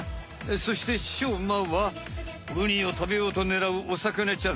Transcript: そしてしょうまはウニを食べようとねらうお魚ちゃん。